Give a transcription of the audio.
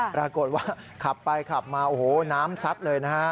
ปรากฏว่าขับไปขับมาโอ้โหน้ำซัดเลยนะฮะ